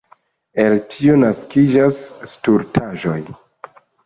El tio naskiĝas stultaĵoj.